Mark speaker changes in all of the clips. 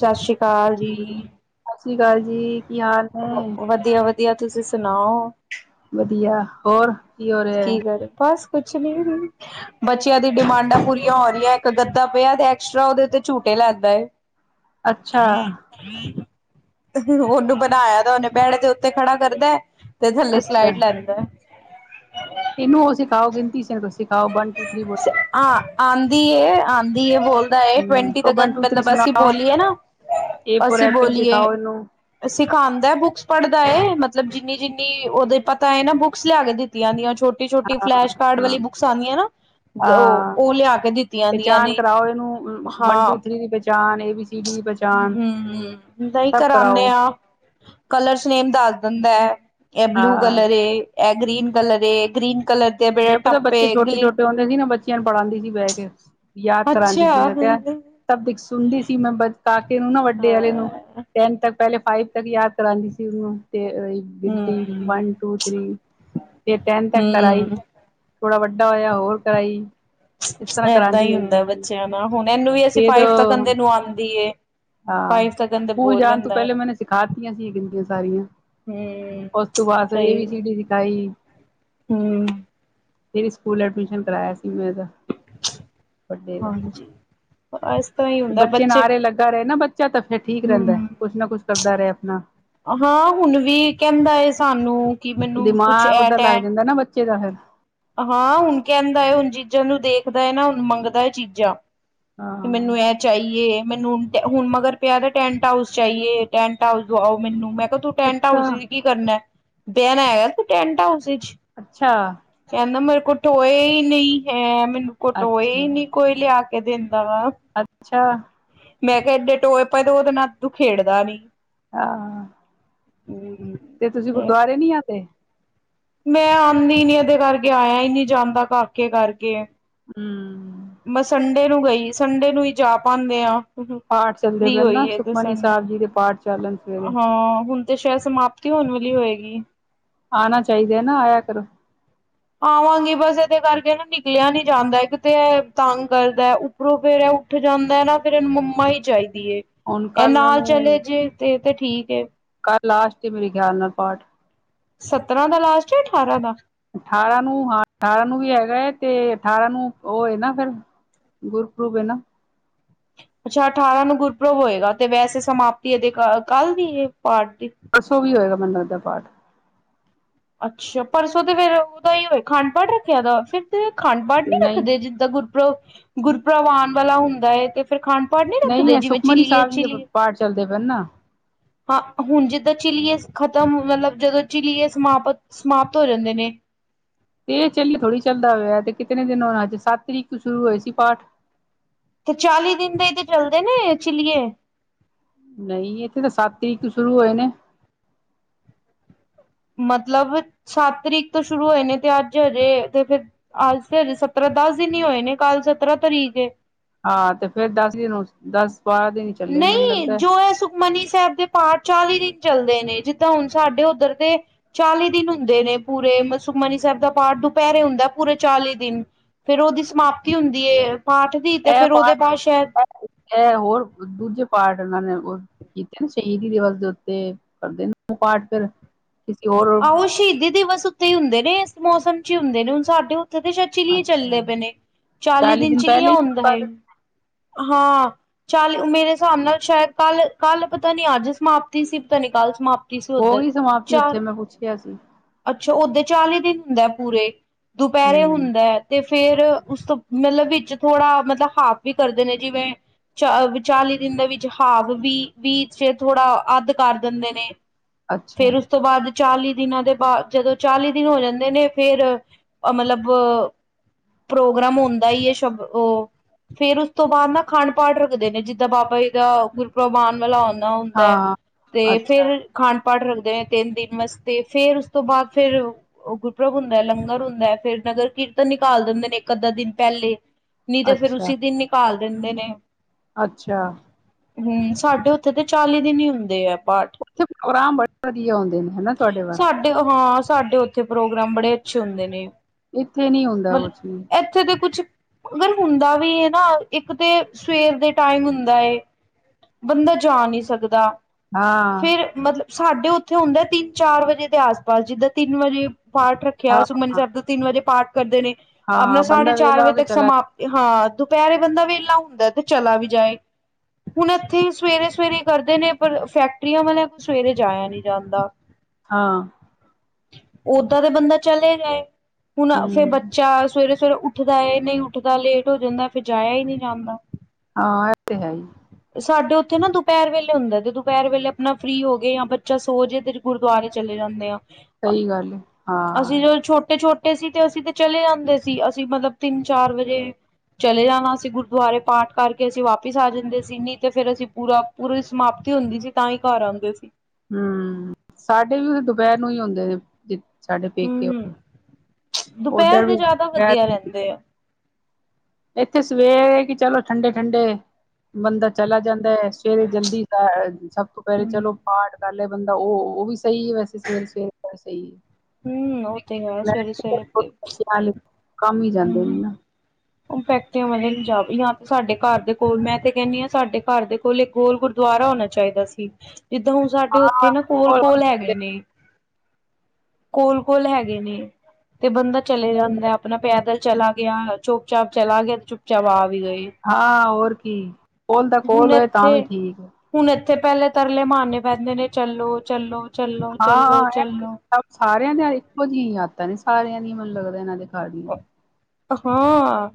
Speaker 1: ਸ਼ਸ਼੍ਰੀ ਕਾਲ ਜੀ
Speaker 2: ਸਸ੍ਰੀ ਕਾਲ ਜੀ ਕੀ ਹਾਲ ਨੇ
Speaker 1: ਵਧੀਆ-ਵਧੀਆ ਤੁਸੀਂ ਸੁਣਾਓ
Speaker 2: ਵਧੀਆ ਹੋਰ ਕੀ ਹੋ ਰੇਆ
Speaker 1: ਕੀ ਕਰ ਬਸ ਕੁਛ ਨੀ ਬੱਚਿਆਂ ਦੀ ਡਿਮਾਂਡਾਂ ਪੂਰੀਆਂ ਹੋ ਰਈਆਂ ਗੱਦਾ ਪਿਆ ਤੇ ਐਕਸਟਰਾ ਓਦੇ ਤੇ ਝੂਟੇ ਲੈਂਦਾ ਐ।
Speaker 2: ਅੱਛਾ
Speaker 1: ਓਨੂੰ ਬਣਾਇਆ ਦਾ ਓਨੇ ਬੈਡ ਦੇ ਉੱਤੇ ਖੜਾ ਕਰਦਾ ਤੇ ਥੱਲੇ ਸਲਾਈਡ ਲੈਂਦਾ।
Speaker 2: ਐਨੂੰ ਉਹ ਸਿਖਾਓ ਗਿਣਤੀ ਸੀ ਸਿਖਾਓ ਵਨ ਟੂ ਥਰੀ ਬੋਲ
Speaker 1: ਆ ਆਂਦੀ ਏ, ਆਂਦੀ ਏ ਬੋਲ ਦਾ ਐ
Speaker 2: ਹਮ
Speaker 1: ਟਵੰਟੀ
Speaker 2: ਕਹੋ ਵਨ
Speaker 1: ਤਕਨ
Speaker 2: ਟੂ ਥ੍ਰੀ
Speaker 1: ਮਤਲਬ ਅਸੀਂ
Speaker 2: ਸੁਣਾਓ
Speaker 1: ਬੋਲੀਏ ਨਾ,
Speaker 2: ਏ ਫੋਰ
Speaker 1: ਅਸੀਂ
Speaker 2: ਐਪਲ
Speaker 1: ਬੋਲੀਏ
Speaker 2: ਸਿਖਾਓ ਇਹਨੂੰ
Speaker 1: ਸਿਖਾਂਦਾ ਐ ਬੁੱਕਸ ਪੜ੍ਹਦਾ ਏ ਮਤਲਬ ਜਿੰਨੀ-ਜਿੰਨੀ ਓਦੇ ਪਤਾ ਏ ਨਾ ਬੁੱਕਸ ਲਿਆ ਕੇ ਦਿੱਤੀਆਂ ਦੀਆਂ ਛੋ ਛੋਟੀ-ਛੋਟੀ ਫਲੈਸ਼ ਕਾਰਡ
Speaker 2: ਹਾਂ
Speaker 1: ਵਾਲੀ ਬੁਕਸ ਆਂਦੀ ਨਾ ਗ ਓ
Speaker 2: ਹਾਂ
Speaker 1: ਓ ਲਿਆ ਕੇ ਦਿੱਤੀਆਂ ਦੀਆਂ
Speaker 2: ਪਹਿਚਾਣ
Speaker 1: ਨੇ
Speaker 2: ਕਰਾਓ ਇਹਨੂੰ ਵਨ
Speaker 1: ਹਾਂ
Speaker 2: ਟੂ ਥ੍ਰੀ ਦੀ ਪਹਿਚਾਣ ਏ ਬੀ ਸੀ ਡੀ ਦੀ ਪਹਿਚਾਣ
Speaker 1: ਹੂੰ ਨਈ
Speaker 2: ਸਭ
Speaker 1: ਕਰਾ ਨੇ
Speaker 2: ਕਰਾਓ
Speaker 1: ਆ ਕਲਰਸ ਨੇਮ ਦੱਸ ਦਿੰਦਾ ਐ। ਐ ਬਲੂ
Speaker 2: ਹਾਂ
Speaker 1: ਕਲਰ ਐ। ਤੇ ਐ ਗ੍ਰੀਨ ਕਲਰ ਏ ਗ੍ਰੀਨ ਕਲਰ ਦੇ ਬੇੜੇ ਟੱਪੇ ਗ
Speaker 2: ਸੀਗੀ ਨਾ ਬੱਚਿਆਂ ਨੂੰ ਪੜਾਦੀ ਸੀ ਬੈ ਕੇ ਯਾਦ
Speaker 1: ਅੱਛਾ
Speaker 2: ਕਰਾਦੀ ਸੀ
Speaker 1: ਹਾਂ
Speaker 2: ਮੈਂ ਕਿਆ
Speaker 1: ਹੂੰ-ਹੂੰ
Speaker 2: ਸਭ ਦਿਖ ਸੁਣਦੀ ਸੀ ਮੈਂ ਬ ਕਾਕੇ ਨੂੰ ਨਾ ਵੱਡੇ ਵਾਲੇ ਨੂੰ ਟੈਨ ਤੱਕ ਪਹਿਲੇ ਫਾਈਵ ਤੱਕ ਯਾਦ ਕਰਾਂਦੀ ਸੀ ਓਨੂੰ ਤੇ ਗਿਣਤੀ ਵਨ ਟੂ ਥ੍ਰੀ ਫੇਰ ਟੈਨ ਤੱਕ ਕਰਾਈ ਥੋੜਾ ਵੱਡਾ ਹੋਇਆ ਹੋਰ ਕਰਾਈ ਇਸ ਤਰ੍ਹਾਂ
Speaker 1: ਏਦਾਂ
Speaker 2: ਕਰਾਂਦੀ
Speaker 1: ਈ
Speaker 2: ਰੈਦੀ
Speaker 1: ਹੁੰਦਾ
Speaker 2: ਸੀ।
Speaker 1: ਬੱਚਿਆਂ ਹੁਣ ਐ ਨੂੰ ਵੀ ਅਸੀਂ
Speaker 2: ਫਿਰ
Speaker 1: ਫਾਈਵ ਤਕਨ ਦੇ ਨੂੰ ਆਦੀ ਏ।
Speaker 2: ਹਾਂ
Speaker 1: ਫਾਈਵ ਤੱਕਨ ਤੇ
Speaker 2: ਸਕੂਲ
Speaker 1: ਬੋਲ
Speaker 2: ਜਾਣ ਤੋਂ
Speaker 1: ਲੈਂਦਾ ਹੈ
Speaker 2: ਪੈਲੇ ਮੈਨੇ ਸਿਖਾਤੀਆਂ ਸੀ ਗਿਣਤੀ ਸਾਰੀਆਂ
Speaker 1: ਹਮ
Speaker 2: ਉਸ ਤੋਂ ਬਾਅਦ ਫਿਰ ਏ ਬੀ ਸੀ ਡੀ ਸਿਖਾਈ
Speaker 1: ਹੂੰ
Speaker 2: ਫੇਰ ਈ ਸਕੂਲ ਐਡਮਿਸ਼ਨ ਕਰਾਇਆ ਸੀ ਮੈ ਐਦਾ।
Speaker 1: ਹਾਂਜੀ ਅ ਏਸ ਤਰਾਂ ਈ
Speaker 2: ਬੱਚੇ ਨਾ ਆਰੇ ਲੱਗਾ ਰੇ ਨਾ ਬੱਚਾ ਤਾਂ ਫਿਰ ਠੀਕ ਰੈਦਾ
Speaker 1: ਹਮ
Speaker 2: ਕੁਛ ਨਾ ਕੁਛ ਕਰਦਾ ਰੇ ਆਪਣਾ
Speaker 1: ਹਾਂ ਹੁਣ ਵੀ ਕੈਂਦਾ ਐ ਸਾਨੂੰ ਕਿ ਮੈਨੂੰ ਕੁਛ ਐ ਟੈ
Speaker 2: ਚਾਇਦਾ ਹੈ
Speaker 1: ਹਾਂ ਹੁਣ ਕੈਂਦਾ ਐ ਹੁਣ ਚੀਜ਼ਾਂ ਨੂੰ ਦੇਖਦਾ ਐ ਨਾ ਮੰਗਦਾ ਐ ਚੀਜ਼ਾਂ ਕਿ
Speaker 2: ਹਾਂ
Speaker 1: ਮੈਨੂੰ ਐ ਚਾਈਏ ਮੈਨੂੰ ਹੁਣ ਮਗਰ ਪਿਆ ਦਾ ਟੈਂਟ ਹਾਊਸ ਚਾਈਏ ਟੈਂਟ ਹਾਊਸ ਦਵਾਓ ਮੈਨੂੰ ਮੈਂ ਕਿਆ ਤੂੰ ਟੈਂਟ
Speaker 2: ਅੱਛਾ
Speaker 1: ਹਾਊਸ ਵੀ ਕੀ ਕਰਨਾ ਬੈਣਾ ਹੈਗਾ ਤੂੰ ਟੈਂਟ ਹਾਊਸ ਚ
Speaker 2: ਅੱਛਾ
Speaker 1: ਕੈਂਦਾ ਮੇਰੇ ਕੋ ਟੋਏਈ ਨਈ ਹੈ। ਮੈਨੂੰ ਟੋਏ
Speaker 2: ਅੱਛਾ
Speaker 1: ਨੀ ਕੋਈ ਲਿਆ ਕੇ ਦਿੰਦਾ ਵਾ
Speaker 2: ਅੱਛਾ
Speaker 1: ਮੈਂ ਕਿਆ ਏਡੇ ਟੋਏ ਪਏ ਤੇ ਓਦੇ ਨਾਲ ਤੂੰ ਖੇਡਦਾ ਨੀ
Speaker 2: ਹਾਂ
Speaker 1: ਹੂੰ
Speaker 2: ਤੇ ਤੁਸੀਂ ਗੁਰਦਆਰੇ ਨੀ ਆਦੇ।
Speaker 1: ਮੈਂ ਆਨੀ ਨੀ ਐਦੇ ਕਰਕੇ ਆਇਆ ਈ ਨਈ ਜਾਂਦਾ ਕਾਕੇ ਕਰਕੇ।
Speaker 2: ਹੂੰ।
Speaker 1: ਮੈਂ ਸੰਡੇ ਨੂੰ ਗਈ, ਸੰਡੇ ਨੂੰ ਈ ਜਾ ਪਾਂਦੇ ਆਂ।
Speaker 2: ਪਾਠ ਚੱਲਦੇ
Speaker 1: ਫ੍ਰੀ
Speaker 2: ਪਏ ਨਾ
Speaker 1: ਹੋਈਏ ਅੱਜ
Speaker 2: ਸੁਖਮਨੀ
Speaker 1: ਸੰਡੇ,
Speaker 2: ਸਾਹਿਬ ਜੀ ਦੇ ਪਾਠ ਚੱਲਣ ਸਵੇਰੇ
Speaker 1: ਹਾਂ ਹੁਨ ਤੇ ਸ਼ਐਦ ਸਮਾਪਤੀ ਹੋਨ ਵਾਲੀ ਹੋਏਗੀ।
Speaker 2: ਆਣਾ ਚਾਈਦੈ ਨਾ, ਆਏਆ ਕਰੋ।
Speaker 1: ਆਵਾਂਗੀ, ਬੱਸ ਏਦੇ ਕਾਰਕੇ ਨਾ ਨਿਕਲੇਆ ਨੀ ਜਾਂਦਾ ਇੱਕ ਤੇ ਐ ਤਾੰਗ ਕਰਦੈ ਉਪ ਉਪਰੋਂ ਫੇਰ ਐ ਉਠ ਜਾਂਦੈ ਨਾ ਫੇਰ ਏਨ ਮੰਮਾ ਈ ਚਾਈਦੀ ਏ,
Speaker 2: ਹੁਣ
Speaker 1: ਐ
Speaker 2: ਕੱਲ
Speaker 1: ਨਾਲ ਚਲੇ ਜੇ ਤੇ, ਤੇ ਠੀਕ ਏ।
Speaker 2: ਕਾੱਲ ਲਾਸਟ ਏ ਮੇਰੇ ਖੇਆਲ ਨਾਲ ਪਾਠ।
Speaker 1: ਸਤਰਾਂ ਦਾ ਲਾਸਟ ਏ ਅਠਾਰਾਂ ਦਾ?
Speaker 2: ਅਠਾਰਾਂ ਨੂੰ ਹਾਂ ਅਠਾਰਾਂ ਨੂੰ ਵੀ ਹੈਗੈ, ਤੇ ਅਠਾਰਾਂ ਨੂੰ ਓ ਏ ਨਾ ਫੇਰ ਗੁਰਪੂਰਵ ਏ ਨਾ।
Speaker 1: ਅੱਛਾ ਅਠਾਰਾਂ ਨੂੰ ਗੁਰਪ੍ਰਬ ਹੋਏਗਾ, ਤੇ ਵੈਸੇ ਸਮਾਪਤੀ ਏਦੇ ਕਾੱਲ ਦੀ ਏ ਪਾਠ ਦੀ?
Speaker 2: ਪਰਸੋ ਵੀ ਹੋਏਗਾ ਮੈਨ ਲਗਦੈ ਪਾਠ।
Speaker 1: ਅੱਛਾ, ਪਰਸੋਂ ਤੇ ਫੇਰ ਓਦਾ ਈ ਹੋਏ, ਖੰਡ ਪਾਠ ਰੱਖੇਆ ਦਾ ਫਿਰ? ਤੇ ਖੰਡ ਪਾਠ ਨੀ
Speaker 2: ਨਹੀਂ
Speaker 1: ਰੱਖਦੇ ਜਿੱਦਾਂ ਗੁਰਪੂਰਵ, ਗੁਰਪ੍ਰਵ ਆਨ ਵਾਲਾ ਹੁੰਦਾ ਏ ਤੇ? ਫਿਰ ਖਾੰਡ ਪਾਠ ਨੀ
Speaker 2: ਨਹੀਂ
Speaker 1: ਰੱਖਦੇ,
Speaker 2: ਹੈ
Speaker 1: ਜਿਵੇਂ
Speaker 2: ਸੁਖਮਨੀ ਸਾਹਿਬ ਜੀ ਦੇ
Speaker 1: ਚਿੱਲੀਏ-ਚਿੱਲੀਏ
Speaker 2: ਪਾਠ ਚੱਲਦੇ ਪਏ ਨਾ
Speaker 1: ਹਾਂ ਹੁਨ ਜਿੱਦਾਂ ਚਿਲੀਏ ਖਤਮ ਮਤਲਬ ਜਦੋਂ ਚਿਲੀਏ ਸਮਾਪਤ-ਸਮਾਪਤ ਹੋ ਜਾਂਦੇ ਨੇ।
Speaker 2: ਤੇ ਏ ਚੱਲੀਏ ਥੋੜੀ ਚੱਲਦਾ ਹੋਏਆ ਤੇ ਕਿਤਨੇ ਦਿਨ ਹੋਨਾ ਸੀ, ਸਾੱਤ ਤਰੀਕ ਸ਼ੁਰੂ ਹੋਏ ਸੀ ਪਾਠ।
Speaker 1: ਤੇ ਚਾਲੀ ਦਿਨ ਦੇ ਈ ਤੇ ਚੱਲਦੇ ਨੇ ਚਿੱਲੀਏ।
Speaker 2: ਨਹੀਂ ਏਥੇ ਤਾਂ ਸਾੱਤ ਤਰੀਕ ਤੋਂ ਸ਼ੁਰੂ ਹੋਏ ਨੇ।
Speaker 1: ਮਤਲਬ ਸਾੱਤ ਤਰੀਕ ਤੋਂ ਸ਼ੁਰੂ ਹੋਏ ਨੇ, ਤੇ ਆੱਜ ਹਜੇ, ਤੇ ਫਿਰ ਅੱਜ ਤੇ ਹਜੇ ਸਤਰਾਂ ਦਾੱਸ ਦਿਨ ਈ ਹੋਏ ਨੇ, ਕਾੱਲ ਸਤਰਾਂ ਤਰੀਕ ਏ।
Speaker 2: ਹਾਂ, ਤੇ ਫੇਰ ਦਾੱਸ ਦਿਨ ਉਸ, ਦਾੱਸ-ਬਾਰਾਂ ਦਿਨ ਈ
Speaker 1: ਨਹੀਂ, ਜੋ ਐ ਸੂਕ ਮਨੀ ਸ੍ਹੈਬ ਦੇ ਪਾਠ ਚਾਲੀ ਦਿਨ ਚੱਲਦੇ ਨੇ, ਜਿੱਦਾਂ ਹੁਨ ਸਾਡੇ ਓਦੱਰ ਦੇ ਚਾਲੀ ਦਿਨ ਹੁੰਦੇ ਨੇ ਪੂਰੇ, ਮ ਸੁਖਮਨੀ ਸ੍ਹੈਬ ਦਾ ਪਾਠ ਦੁਪੈਰੇ ਹੁੰਦੈ, ਪੂਰੇ ਚਾਲੀ ਦਿਨ। ਫੇਰ ਓਦੀ ਸਮਾਪਤੀ ਹੁੰਦੀ ਏ, ਪਾਠ ਦੀ ਤੇ
Speaker 2: ਐ
Speaker 1: ਫਿਰ ਉਹਦੇ
Speaker 2: ਪਾਠ,
Speaker 1: ਬਾਅਦ ਸ਼ਾਇਦ
Speaker 2: ਐ ਹੋਰ ਦੂਜੇ ਪਾਠ ਐਨਾਂ ਨੇ ਓਦ ਕੀਤੇਨ ਸ਼ਹੀਦੀ ਦਿਵਸ ਦੇ ਉੱਤੇ ਕਰਦੇ ਨੇ ਪਾਠ ਫਿਰ। ਕਿਸੇ ਹੋਰ
Speaker 1: ਆਹੋ ਸ਼ਹੀਦੀ ਦਿਵਸ ਉੱਤੇ ਈ ਹੁੰਦੇ ਨੇ, ਇਸ ਮੌਸਮ ਚ ਈ ਹੁੰਦੇ ਨੇ, ਹੁਨ ਸਾਡੇ ਉਥੇ ਤੇ ਸ਼ਐਦ ਚਿੱਲੀਏ ਚੱਲੇ
Speaker 2: ਅੱਛਾ
Speaker 1: ਪੇ ਨੇ, ਚਾਲੀ ਦਿਨ ਚਿੱਲੀਆ ਹੁੰਦਾ ਏ, ਹਾਂ। ਚਾੱਲ ਮੇਰੇ ਹਿਸਾਬ ਨਾਲ ਸ਼ਾਏਦ ਕਾੱਲ-ਕਾੱਲ ਪਤਾ ਨੀ ਆੱਜ ਸਮਾਪਤੀ ਸੀ ਪਤਾ ਨੀ ਕਾੱਲ ਸਮਾਪਤ
Speaker 2: ਹੋਗੀ ਸਮਾਪਤੀ ਉਥੇ, ਮੈਂ ਪੁੱਛ ਲੇਆ ਸੀ।
Speaker 1: ਅੱਛਾ ਓਦੇ ਚਾਲੀ ਦਿਨ ਹੁੰਦੈ ਪੂਰੇ, ਦੁਪੈਰੇ
Speaker 2: ਹੂੰ
Speaker 1: ਹੁੰਦੈ, ਤੇ ਫੇ ਫੇਰ ਉਸ ਤੋਂ ਮਲਬ ਵਿੱਚ ਥੋੜਾ ਮਤਲਅ ਹਾਫ ਵੀ ਕਰਦੇ ਨੇ ਜਿਵੇਂ ਚ ਚਾਲੀ ਦਿਨ ਦੇ ਵਿੱਚ ਹਾਫ ਵੀ, ਵੀਚੇ ਥੋੜਾ ਆੱਧ ਕਾਰ ਦੇਂਦੇ ਨੇ।
Speaker 2: ਅੱਛਾ
Speaker 1: ਫੇਰ ਉਸ ਤੋਂ ਬਾਦ ਚਾਲੀ ਦਿਨਾਂ ਦੇ ਬਾਦ ਜਦੋਂ ਚਾਲੀ ਦਿਨ ਹੋ ਜਾਂਦੇ ਨੇ ਫੇਰ, ਮਲਬ ਪ੍ਰੋਗਰਾਮ ਹੁੰਦਾ ਈ ਏ ਸ਼ਬ ਓ ਫੇਰ ਉਸ ਤੋਂ ਬਾਦ ਨਾ ਖਾੰਡ ਪਾਠ ਰੱਖਦੇ ਨੇ, ਜਿੱਦਾਂ ਬਾਬਾ ਈ ਦਾ ਗੁਰਪ੍ਰਬ ਆਨ ਵਾਲਾ ਹੋਨ ਤਾ ਹੁੰਦੈ,
Speaker 2: ਹਾਂ,
Speaker 1: ਤੇ
Speaker 2: ਅੱਛਾ,
Speaker 1: ਫੇਰ ਖਾੰਡ ਪਾਠ ਰੱਖਦੇ ਨੇ ਤਿੰਨ ਦਿਨ ਮਸਤੇ ਫੇਰ ਉਸ ਤੋਂ ਬਾਦ ਫੇਰ ਓ ਗੁਰਪ੍ਰਬ ਹੁੰਦੈ, ਲੰਗਰ ਹੁੰਦੈ ਫੇਰ ਨਗਰ ਕੀਰਤਨ ਨਿਕਾਲ ਦੇਂਦੇ ਨੇ ਇੱਕ-ਅੱਧਾ ਦਿਨ ਪ੍ਹੈਲੇ ਨੀ ਤੇ ਫਿਰ
Speaker 2: ਅੱਛਾ,
Speaker 1: ਉਸੀ ਦਿਨ ਨਿਕਾਲ ਦੇਂਦੇ ਨੇ।
Speaker 2: ਅੱਛਾ।
Speaker 1: ਹਮ ਸਾਡੇ ਉੱਥੇ ਤੇ ਚਾਲੀ ਦਿਨ ਹੀ ਹੁੰਦੇ ਆ ਪਾਠ।
Speaker 2: ਇੱਥੇ ਪ੍ਰੋਗਰਾਮ ਬੜੇ ਵਧੀਆ ਆਉਂਦੇ ਨੇ ਹਨਾ ਤੁਹਾਡੇ ਵੱਲ,
Speaker 1: ਤੇ ਹਾਂ ਸਾਡੇ ਉੱਥੇ ਪ੍ਰੋਗਰਾਮ ਬੜੇ ਅੱਛੇ ਹੁੰਦੇ ਨੇ,
Speaker 2: ਇੱਥੇ ਨੀ ਹੁੰਦਾ ਕੁਛ ਵੀ,
Speaker 1: ਉੱਥੇ ਤੇ ਕੁਛ ਅਗਰ ਹੁੰਦਾ ਵੀ ਹੈ ਨਾ, ਇੱਕ ਤਾਂ ਸਵੇਰ ਦੇ ਟਾਈਮ ਹੁੰਦਾ ਏ, ਬੰਦਾ ਜਾ ਨਹੀਂ ਸਕਦਾ,
Speaker 2: ਹਾਂ,
Speaker 1: ਫੇਰ ਮਤਲਬ ਸਾਡੇ ਉੱਥੇ ਹੁੰਦਾ, ਤਿੰਨ -ਚਾਰ ਵਜੇ ਦੇ ਆਸ ਪਾਸ ਜਿੱਦਾਂ ਤਿੰਨ ਵਜੇ ਪਾਠ ਰੱਖਿਆ
Speaker 2: ਹਾਂ,
Speaker 1: ਸੁਖਮਨ
Speaker 2: ਹਾਂ
Speaker 1: ਸਾਹਿਬ ਜੀ ਦਾ, ਤਿੰਨ ਵਜੇ ਪਾਠ ਕਰਦੇ ਨੇ, ਆਪਣਾ
Speaker 2: ਹਾਂ
Speaker 1: ਸਾਢੇ
Speaker 2: ਬੰਦਾ
Speaker 1: ਚਾਰ
Speaker 2: ਵੇਹਲਾ
Speaker 1: ਵਜੇ
Speaker 2: ਹੋ ਕੇ
Speaker 1: ਤੱਕ
Speaker 2: ਚਲਾ
Speaker 1: ਸਮਾਪਤ, ਤੇ ਹਾਂ ਦੁਪਹਿਰੇ ਬੰਦਾ ਵੇਹਲਾ ਹੁੰਦਾ ਤੇ ਚਲਾ ਵੀ ਜਾਏ, ਹੁਣ ਇੱਥੇ ਸਵੇਰੇ- ਸਵੇਰੇ ਕਰਦੇ ਨੇ, ਪਰ ਫੈਕਟਰੀਆਂ ਵਾਲਿਆਂ ਕੋਲੋ ਸਵੇਰੇ ਜਾਇਆ ਨਈ ਜਾਂਦਾ,
Speaker 2: ਹਾਂ
Speaker 1: ਓਦਾਂ ਦਾ ਬੰਦਾ ਚਲੇ ਜਾਏ, ਹੁਣ ਫੇਰ
Speaker 2: ਹੂੰ,
Speaker 1: ਬੱਚਾ ਸਵੇਰੇ- ਸਵੇਰੇ ਉੱਠ ਉੱਠਦਾ ਨਹੀਂ ਉੱਠਦਾ ਲੇਟ ਹੋ ਜਾਂਦਾ ਫਿਰ ਜਾਇਆ ਹੀ ਨਈ ਜਾਂਦਾ,
Speaker 2: ਹਾਂ ਤੇ ਹੈ ਹੀ।
Speaker 1: ਸਾਡੇ ਉੱਥੇ ਨਾ ਦੁਪਹਿਰ ਵੇਲੇ ਹੁੰਦਾ, ਤੇ ਦੁਪਹਿਰ ਵੇਲੇ ਆਪਣਾ ਫ੍ਰਰੀ ਹੋ ਗਏ ਜਾਂ ਬੱਚਾ ਸੋ ਜੇ ਤੇ, ਗੁਰਦੁਆਰੇ ਚਲੇ ਜਾਂਦੇ ਆਾ,
Speaker 2: ਸਹੀ
Speaker 1: ਅ
Speaker 2: ਗੱਲ ਏ।
Speaker 1: ਅਸੀਂ
Speaker 2: ਹਾਂ,
Speaker 1: ਜਦੋਂ ਛੋਟੇ -ਛੋਟੇ ਛੋਟੇ ਸੀ ਤੇ ਅਸੀਂ ਤੇ ਚਲੇ ਜਾਂਦੇ ਸੀ, ਅਸੀਂ ਮਤਲਬ ਤਿੰਨ ਚਾਰ ਵਜੇ, ਚਲੇ ਜਾਣਾ ਸੀ ਗੁਰਦੁਆਰੇ ਪਾਠ ਕਰਕੇ ਅਸੀਂ ਵਾਪਿਸ ਆ ਜਾਂਦੇ ਸੀ, ਨਈ ਤੇ ਫੇਰ ਅਸੀਂ ਪੂਰਾ ਪੂਰੀ ਸਮਾਪਤੀ ਹੁੰਦੀ ਸੀ, ਤਾਂ ਈ ਘਰ ਆਂਦੇ ਸੀ।
Speaker 2: ਹਮ ਸਾਡੇ ਵੀ ਉੇਰੇ ਦੁਪਹਿਰ ਨੂੰ ਹੀ ਆਉਦੇ ਨੇ, ਸਾਡੇ ਪੇਕੇ
Speaker 1: ਹੂੰ ਦੁਪਹਿਰ
Speaker 2: ਓਧਰ ਵੀ,
Speaker 1: ਦੇ ਜ਼ਿਆਦਾ ਵਧੀਆ ਰਹਿੰਦੇ ਆ।
Speaker 2: ਇੱਥੇ ਸਵੇਰੇ ਕਿ ਚਲੋ ਠੰਡੇ -ਠੰਡੇ, ਬੰਦਾ ਚਲਾ ਜਾਂਦਾ ਐ, ਸਵੇਰੇ ਜਲਦੀ ਅ ਸਭ ਤੋਂ ਪੇਹਲੇ ਚਲੋ ਪਾਠ ਕਰ ਲਿਆ ਬੰਦਾ ਉਹ -ਉਹ ਵੀ ਸਹੀ ਏ, ਵੈਸੇ ਸਵੇਰੇ- ਸਵੇਰੇ ਸਹੀ ਏ,
Speaker 1: ਹਮ ਓਹ ਤੇ ਹੈ ਸਵੇਰੇ- ਸਵੇਰੇ ਉੱਠਕੇ,
Speaker 2: ਕੰਮ ਵੀ ਜਾਂਦੇ ਨੇ ਨਾ,
Speaker 1: ਓਹ ਫੈਕਟਰੀਆ ਞਾਲੇ ਜਾਦਾ ਏ ਸਾਡੇ ਘਰ ਦੇ ਕੋਲ ਮੈਂ ਤੇ ਕਹਿੰਦੀ ਹ ਸਾਡੇ ਘਰ ਦੇ ਕੋਲ ਇੱਕ ਹੋਰ ਗੁ ਦੁਆਰਾ ਹੋਣਾ ਚਾਹੀਦਾ ਸੀ, ਜਿੱਦਾਂ ਹੁਣ ਸਾਡੇ ਉੱਥੇ
Speaker 2: ਹਾਂ
Speaker 1: ਨਾ ਕੋਲ- ਕੋਲ ਹੈਗੇ ਨੇ, ਕੋਲ -ਕੋਲ ਹੈਗੇ ਨੇ ਤੇ ਬੰਦਾ ਚਲੇ ਜਾਂਦੇ ਆਪਣਾ ਪੈਦਲ ਚਲਾ ਗਿਆ, ਚੁੱਪ -ਚਾਪ ਚਲਾ ਗਿਆ ਤੇ ਚੁੱਪ -ਚਾਪ ਆ ਵੀ ਗਏ,
Speaker 2: ਹਾਂ ਹੋਰ ਕੀ, ਕੋਲ ਦਾ
Speaker 1: ਹੁਣ
Speaker 2: ਕੋਲ ਹੋਏ
Speaker 1: ਇੱਥੇ
Speaker 2: ਤਾਂ ਵੀ ਠੀਕ ਹੈ
Speaker 1: -ਹੁਣ ਇੱਥੇ ਪਹਿਲੇ ਤਰਲੇ ਮਾਰਨੇ ਪੈਂਦੇ ਨੇ ਚੱਲੋ- ਚੱਲੋ, ਚੱਲੋ, ਚੱਲੋ, ਚੱਲੋ
Speaker 2: ਪਰ ਸਾਰੇਆਂ ਦੀਆਂ ਇੱਕੋ ਜੇਹੀਆਂ ਹੀ ਆਦਤਾਂ ਨੇ, ਸਾਰੇਆਂ ਦੀਆ ਮੈਨੂੰ ਲਗਦਾ ਏਹਨਾਂ ਦੇ, ਘਰ ਦੀਆਂ
Speaker 1: ਹੋਰ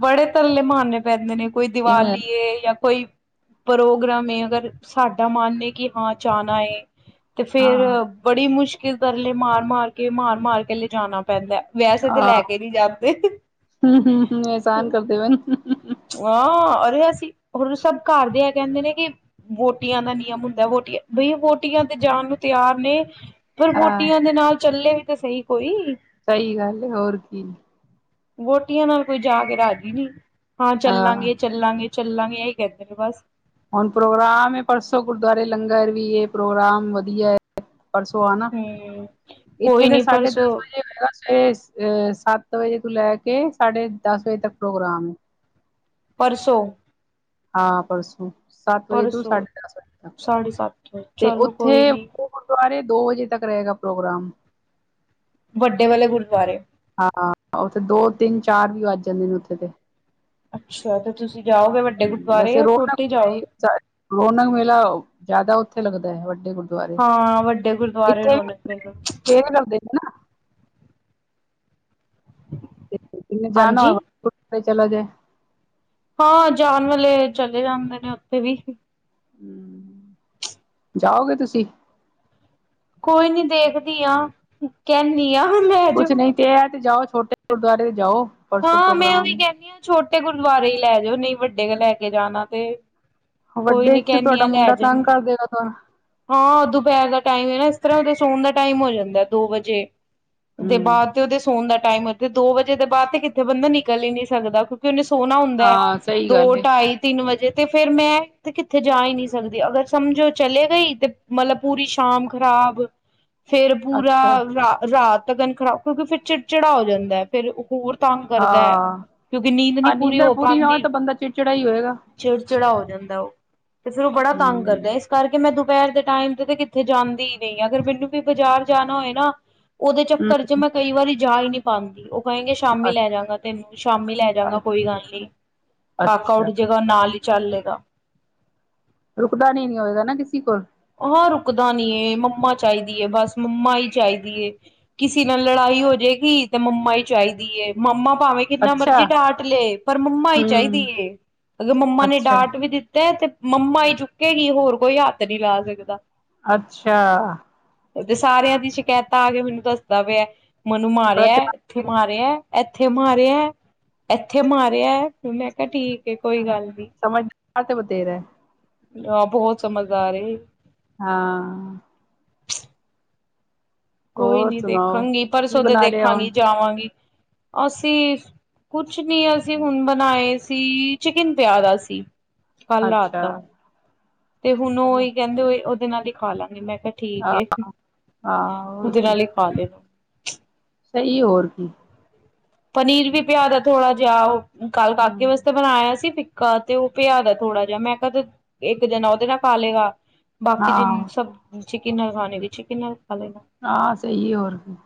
Speaker 1: ਬੜੇ ਤਰਲੇ ਮਾਰਨੇ ਪੈਂਦੇ ਨੇ, ਕੋਈ
Speaker 2: ਇਵੇਂ
Speaker 1: ਦਿਵਾਲੀ ਏ ਜਾਂ ਕੋਈ ਪ੍ਰੋਗਰਾਮ ਹੈਗਾ ਤਾ ਸਾਡਾ ਮਨ ਨਈ ਕੀ ਹਾਂ ਜਾਣਾ ਏ, ਤੇ ਫੇਰ
Speaker 2: ਹਾਂ
Speaker 1: ਬੜੀ ਮੁਸ਼ਕਿਲ ਤਰਲੇ ਮਾਰ -ਮਾਰ ਕੇ ਮਾਰ -ਮਾਰ ਕੇ ਲਿਜਾਣਾ ਪੈਂਦਾ ਵੈਸੇ ਤੇ ਲੈ ਕੇ ਨਹੀਂ ਜਾਂਦੇ, ਹ
Speaker 2: ਹਮ, ਹਮ, ਹਮ ਅਹਿਸਾਨ ਕਰਦੇ ਵਏ ਨਾ,
Speaker 1: ਹਾਂ ਅਰੇ ਅਸੀਂ ਹੁਣ ਸਭ ਘਰ ਦੇ ਏ ਕੇਹਦੇ ਨੇ ਕਿ, ਵੋਟੀਆਂ ਦਾ ਨਿਯਮ ਹੁੰਦਾ, ਵੋਟੀਆਂ ਬਈ ਵੋਟੀਆਂ ਤੇ ਜਾਣ ਨੂੰ ਤਿਆਰ ਨੇ, ਫਿਰ
Speaker 2: ਹਾਂ
Speaker 1: ਵੋਟੀਆਂ ਦੇ ਨਾਲ ਚੱਲੇ ਵੀ ਤੇ ਸਹੀ ਕੋਈ
Speaker 2: ਸਈ ਗਾੱਲ ਏ ਹੋਰ ਕੀ।
Speaker 1: ਵੋਟੀਆਂ ਨਾਲ ਕੋਈ ਜਾ ਕੇ ਰਾਜੀ ਨੀ ਹਾਂ ਚੱਲਾਂਗੇ। ਚੱਲਾਂਗੇ-ਚੱਲਾਂਗੇ ਐਈ ਕੈਂਦੇ ਨੇ ਬਾੱਸ।
Speaker 2: ਹੁਨ ਪ੍ਰੋਗਰਾਮ ਏ ਪਰਸੋਂ ਗੁਰਦੁਆਰੇ ਲੰਗਰ ਵੀ ਏ ਪ੍ਰੋਗਰਾਮ ਵਦੀਐ। ਪਰਸੋਂ ਆ ਨਾ
Speaker 1: ਹੂੰ।
Speaker 2: ਇੱਥੇ
Speaker 1: ਕੋਈ
Speaker 2: ਤੇ
Speaker 1: ਨੀ
Speaker 2: ਸਾਢੇ ਦਾਸ
Speaker 1: ਪਰਸੋਂ,
Speaker 2: ਵਜੇ ਅ ਸੱਤ ਵਜੇ ਤੋਂ ਲੈਕੇ ਸਾਢੇ ਦਾਸ ਵਜੇ ਤੱਕ ਪ੍ਰੋਗਰਾਮ ਏ।
Speaker 1: ਪਰਸੋਂ।
Speaker 2: ਹਾਂ ਪਰਸੋਂ ਸਾੱਤ ਵਜੇ ਤੋਂ
Speaker 1: ਪਰਸੋਂ
Speaker 2: ਸਾਢੇ ਦਾਸ ਵਜੇ ਤੱਕ
Speaker 1: ਸਾਢੇ ਸੱਤ ਵਜੇ
Speaker 2: ਤੇ
Speaker 1: ਚਲੋ ਕੋਈ
Speaker 2: ਓਥੇ
Speaker 1: ਨੀ
Speaker 2: ਗੁਰਦੁਆਰੇ ਦੋ ਵਜੇ ਤੱਕ ਰੇਏਗਾ ਪ੍ਰੋਗਰਾਮ।
Speaker 1: ਵੱਡੇ ਵਾਲੇ ਗੁਰਦੁਆਰੇ।
Speaker 2: ਹਾਂ ਓਥੇ ਦੋ, ਤਿੰਨ, ਚਾਰ ਵੀ ਵੱਜ ਜਾਂਦੇ ਨੇ ਓਥੇ ਤੇ
Speaker 1: ਅੱਛਾ ਤੇ ਤੁਸੀ ਜਾਓਗੇ ਵੱਡੇ ਗੁਰਦੁਆਰੇ ਯਾ ਛੋਟੇ ਜਾਓ।
Speaker 2: ਰੋਂਨਕ ਮੇਲਾ ਜਾਦਾ ਓਥੇ ਲੱਗਦਾ ਐ ਵੱਡੇ ਗੁਰ ਦੁਆਰੇ
Speaker 1: ਹਾਂ ਵੱਡੇ ਗੁਰਦੁਆਰੇ
Speaker 2: ਇੱਥੇ
Speaker 1: ਰੌਣਕ ਮੇਲਾ
Speaker 2: [unintelligible] ਲਗਦੇ ਨਾ। ਜਿਨੇ ਜਾਨਾ
Speaker 1: ਹਾਂਜੀ।
Speaker 2: [unintelligible] ਚਲਾ ਜਾਏ।
Speaker 1: ਹਾਂ ਜਾਨ ਵਾਲੇ ਚਲੇ ਜਾਂਦੇ ਨੇ ਓਥੇ ਵੀ।
Speaker 2: ਜਾਓਗੇ ਤੁਸੀ।
Speaker 1: ਕੋਈ ਨੀ ਦੇਖਦੀ ਆਂਂ ਕੈਨੀ ਆਂ
Speaker 2: ਕੁਛ
Speaker 1: ਲੈਜੋ।
Speaker 2: ਨਹੀਂ ਤੇ ਐ ਤੇ ਜਾਓ ਛੋਟੇ ਗੁਰਦੁਆਰੇ ਜਾਓ। ਪਰਸੋਂ
Speaker 1: ਹਾਂ ਮੈਂ ਓਈ
Speaker 2: ਪ੍ਰੋਗਰਾਮ
Speaker 1: ਕੈਨੀ ਆਂ ਛੋਟੇ ਗੁਰਦੁਆਰੇ ਈ ਲੈਜੋ ਨਈ ਵੱਡੇ ਲੈਕੇ ਜਾਨਾ ਤੇ। ਕੋਈ
Speaker 2: ਵੱਡੇ
Speaker 1: ਨੀ
Speaker 2: ਚ ਤੇ
Speaker 1: ਕਹਿੰਦੀ
Speaker 2: ਤੋਆਡਾ
Speaker 1: ਆ ਲੈ
Speaker 2: ਮੁੰਡਾ ਤਾੰਗ
Speaker 1: ਜਾਣ
Speaker 2: ਕਰਦੇਗਾ ਤੋਆਨ।
Speaker 1: ਹਾਂ ਦੁਪੈਰ ਦਾ ਟਾਈਮ ਏਨਾ ਇਸ ਤਰਾਂ ਓਦਾ ਸੋਨ ਦਾ ਟਾਈਮ ਹੋ ਜਾਂਦਾ ਦੋ ਵਜੇ। ਦੇ
Speaker 2: ਹੂੰ
Speaker 1: ਬਾਦ ਤੇ ਓਦੇ ਸੋਨ ਦਾ ਟਾਈਮ ਤੇ ਦੋ ਵਜੇ ਦੇ ਬਾਦ ਤੇ ਕਿਥੇ ਬੰਦਾ ਨਿਕਲ ਈ ਨੀ ਸਕਦਾ। ਕਯੁਕਿ ਓਨੇ ਸੋਨਾ ਹੁੰਦਾ ਐ
Speaker 2: ਹਾਂ ਸਹੀ
Speaker 1: ਦੋ,
Speaker 2: ਗੱਲ ਏ
Speaker 1: ਢਾਈ। ਤਿੰਨ ਵਜੇ ਤੇ ਫੇਰ ਮੈਂ ਤੇ ਕਿੱਥੇ ਜਾ ਈ ਨੀ ਸਕਦੀ ਅਗਰ ਸਮਜੋ ਚਲੇ ਗਈ। ਤੇ ਮਲਬ ਪੂਰੀ ਸ਼ਾਮ ਖਰਾਬ ਫੇਰ ਪੂਰਾ
Speaker 2: ਅੱਛਾ
Speaker 1: ਰਾ ਰਾਤ ਤਗਨ ਖਰਾਬ। ਕਯੁਕਿ ਫਿਰ ਚਿੜ-ਚਿੜਾ ਹੋ ਜਾਂਦਾ ਐ ਫੇਰ ਹੋਰ। ਤਾੰਗ ਕਰਦਾ ਐ
Speaker 2: ਹਾਂ
Speaker 1: ਕਯੁਂਕਿ ਨੀਂਦ ਨੀ ਪੂਰੀ ਹੋ ਪਾਂਦੀ।
Speaker 2: ਐਈ ਹੋਏਗਾ।
Speaker 1: ਚਿੜ-ਚਿੜਾ ਹੋ ਜਾਂਦਾ ਓ, ਤੇ ਫੇਰ ਓ ਬੜਾ ਤਾੰਗ ਕਰਦਾ।
Speaker 2: ਹੂੰ
Speaker 1: ਕਰਕੇ ਮੈਂ ਦੁਪੈਰ ਦੇ ਟਾਈਮ ਤੇ, ਤੇ ਕਿੱਥੇ ਜਾਂਦੀ ਈ ਨੀ ਆਂ ਅਗਰ ਮੈਨੂੰ ਵੀ ਬਾਜ਼ਾਰ ਜਾਨਾ ਹੋਏ ਨਾ। ਓਦੇ ਚੱਕਰ ਚ
Speaker 2: ਹੂੰ
Speaker 1: ਮੈਂ ਕਈ ਵਾਰੀ ਜਾ ਈ ਨੀ ਪਾਂਦੀ ਓ ਕਏਂਗੇ। ਸ਼ਾਮੀ ਲੈ ਜਾਂਗਾ ਤੈਨੂੰ ਸ਼ਾਮੀ ਲੈ ਜਾਂਗਾ
Speaker 2: ਅੱਛਾ
Speaker 1: ਕੋਈ ਗਾੱਲ ਨੀ ਕਾਕਾ ਉਠ
Speaker 2: ਅੱਛਾ
Speaker 1: ਜੇ ਓਦੋਂ ਨਾਲ ਹੀ ਚਾੱਲੇਗਾ।
Speaker 2: ਰੁਕਦਾ ਨੀ, ਨੀ ਹੋਏਗਾ ਨਾ ਕਿਸੇ ਕੋਲ।
Speaker 1: ਹਾਂ ਰੁਕਦਾ ਨੀ ਏ ਮੰਮਾ ਚਾਈਦੀ ਏ ਬਾੱਸ, ਮੰਮਾ ਈ ਚਾਈਦੀ। ਕਿਸੀ ਨਾਲ ਲੜਾਈ ਹੋ ਜੇਗੀ ਤੇ ਮੰਮਾ ਈ ਚਾਈਦੀ ਏ, ਮੰਮਾ ਭਾਵੇਂ ਕਿੰਨਾ
Speaker 2: ਅੱਛਾ
Speaker 1: ਮਰਜੀ ਡਾਟ ਲੇ ਪਰ ਮੰਮਾ ਈ
Speaker 2: ਹੂੰ
Speaker 1: ਚਾਈਦੀ ਏ, ਅਗਰ ਮੰਮਾ ਨੇ
Speaker 2: ਅੱਛਾ
Speaker 1: ਡਾਟ ਵੀ ਦਿੱਤ ਤੇ ਮੰਮਾ ਚੁੱਕੇਗੀ ਹੋਰ ਕੋਈ ਹਾੱਥ ਨੀ ਲਾ ਸਕਦਾ।
Speaker 2: ਅੱਛਾ।
Speaker 1: ਤੇ ਸਾਰੇਆਂ ਦੀ ਸ਼ਿਕੈਤਾਂ ਆ ਕੇ ਮੈਨੂੰ ਦੱਸਦਾ ਪੇਆ ਮਨੂੰ
Speaker 2: ਬੜਾ
Speaker 1: ਮਾਰੇਆ। ਐਥੇ
Speaker 2: ਚਲਾਕ ਏ
Speaker 1: ਮਾਰੇਆ, ਐਥੇ ਮਾਰੇਆ, ਐਥੇ ਮਾਰੇਆ ਮੈਂ ਕਾ ਠੀਕ ਏ ਕੋਈ
Speaker 2: ਹਾਂ
Speaker 1: ਗੱਲ
Speaker 2: ਸਮਝਦਾਰ ਬੱਥੇਰਾ।
Speaker 1: ਆ ਬੋਹਤ ਸਮਝਦਾਰ ਏ।
Speaker 2: ਹਾਂ।
Speaker 1: ਕੋਈ
Speaker 2: ਹੋਰ
Speaker 1: ਨੀ
Speaker 2: ਸੁਣਾਓ
Speaker 1: ਦੇਖਾਂਗੀ
Speaker 2: ਕੀ
Speaker 1: ਪਰਸੋ ਤੇ
Speaker 2: ਬਣਾ ਲਿਆ
Speaker 1: ਦੇਖਾਂਗੀ
Speaker 2: ਹੁਣ
Speaker 1: ਜਾਵਾਂਗੀ ਅਸੀਂ ਕੁਛ ਨੀ ਅਸੀਂ ਹੁਣ ਬਣਾਏ ਸੀ ਚਿਕਨ ਪਿਆ ਦਾ ਸੀ ਕੱਲ ਰਾਤ
Speaker 2: ਅੱਛਾ
Speaker 1: ਦਾ। ਤੇ ਹੁਣ ਓਈ ਕੈਂਦੇ ਓਦੇ ਨਾਲ ਈ ਖਾ ਲਾਂਗੇ ਮੈਂ ਕਿਆ ਠੀਕ
Speaker 2: ਆਹ
Speaker 1: ਏ
Speaker 2: ਹਾਂ
Speaker 1: ਉਦੇ ਨਾਲ ਈ ਖਾ ਲੇਗਾ।
Speaker 2: ਸਈ ਹੋਰ ਕੀ?
Speaker 1: ਪਨੀਰ ਵੀ ਪਿਆਦਾ ਥੋੜਾ ਜਿਆ ਓ ਕੱਲ ਕਾ ਕੇ
Speaker 2: ਹੂੰ।
Speaker 1: ਵਾਸਤੇ ਬਣਾਇਆ ਸੀ ਫਿੱਕਾ ਤੇ ਓ ਪਿਆ ਦਾ ਥੋੜਾ ਜਿਆ ਮੈਂ ਕਿਆ ਇੱਕ ਜਨਾ ਓਦੇ ਨਾਲ ਖਾ ਲੇਗਾ। ਬਾਕੀ ਜਿਨ
Speaker 2: ਹਾਂ
Speaker 1: ਸਬ ਚਿਕਨ ਨਾਲ ਖਾਣੇ ਵੀ ਚਿਕਨ ਨਾਲ ਖਾ ਲੇਗਾ।
Speaker 2: ਹਾਂ ਸਈ ਹੋਰ ਕੀ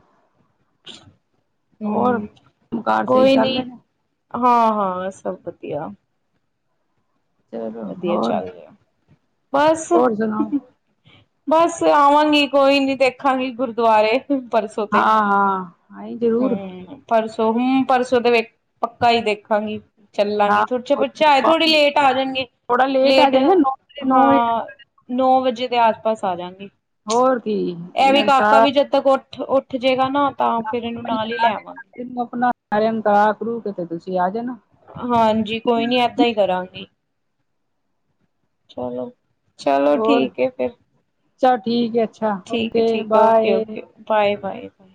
Speaker 2: ਹੋਰ
Speaker 1: ਹੂੰ
Speaker 2: ਕੰਮ ਕਾਰ ਸਹੀ
Speaker 1: ਕੋਈ
Speaker 2: ਚੱਲ
Speaker 1: ਨੀ
Speaker 2: ਰਹੇ ਨੇ
Speaker 1: ਹਾਂ-ਹਾਂ ਸਬ ਵਦੀਆ।
Speaker 2: ਚਲੋ
Speaker 1: ਵਦੀਆਂ
Speaker 2: ਹੋਰ
Speaker 1: ਚੱਲ ਰਿਆ ਬਸ।
Speaker 2: ਹੋਰ ਸੁਣਾਓ
Speaker 1: ਬਸ ਆਵਾਂਗੀ ਕੋਈ ਨੀ ਦੇਖਾਂਗੀ ਗੁਰਦੁਆਰੇ। ਪਰਸੋ ਤੇ
Speaker 2: ਹਾਂ ਹਾਂ ਆਈ ਜ਼ਰੂਰ
Speaker 1: ਹੂੰ ਪਰਸੋਂ ਹੂੰ ਪਰਸੋਂ ਦੇ ਵੇਖ ਪੱਕਾ ਈ ਦੇਖਾਂਗੀ। ਚੱਲਾਂਗੀ
Speaker 2: ਹਾਂ
Speaker 1: ਥਛੇ ਪੁੱਛੇ ਆਏ ਥੋੜੀ ਲੇਟ ਆ ਜਾਣਗੇ।
Speaker 2: ਥੋੜਾ ਆ
Speaker 1: ਲੇਟ
Speaker 2: ਜਾਏਗਾ ਨੌ ਵਜੇ ਨੌ
Speaker 1: ਹਾਂ
Speaker 2: ਵਜੇ
Speaker 1: ਨੌ ਵਜੇ ਦੇ ਆਸ ਪਾਸ ਆ ਜਾਂਗੀ।
Speaker 2: ਹੋਰ ਕੀ
Speaker 1: ਐ ਵੀ
Speaker 2: ਇਹ
Speaker 1: ਕਾਕਾ
Speaker 2: ਸਾਰਾ
Speaker 1: ਵੀ ਜਦ ਤੱਕ ਉੱਠ ਉੱਠ ਜੇਗਾ ਨਾ ਤਾਂ ਫੇਰ ਐਨੂੰ ਨਾਲ ਈ ਲੈਵਾਂਗੇ।
Speaker 2: ਇਸਨੂੰ ਅਪਣਾ [unintelligible] ਕਰਾ ਕਰੂ ਕੇ ਤੇ ਤੁਸੀਂ ਆ ਜਾਣਾ।
Speaker 1: ਹਾਂਜੀ ਕੋਈ ਨੀ ਏਦਾਂ ਈ ਕਰਾਂਗੀ ਚਲੋ। ਚਲੋ ਠੀਕ ਏ ਫੇਰ।
Speaker 2: ਚਲ ਠੀਕ ਐ ਅੱਛਾ ਓਕੇ
Speaker 1: ਠੀਕ ਹੈ okay
Speaker 2: bye.
Speaker 1: Okay bye, bye, bye.